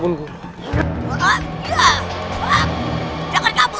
bapak allah sudah mengabaikan tugas yang aku berikan padamu